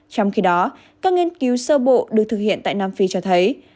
trong khi đó các nghiên cứu sơ bộ được thực hiện tại nam phi cho thấy